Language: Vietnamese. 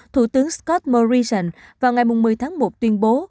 thủ tướng scott morrison vào ngày một mươi tháng một tuyên bố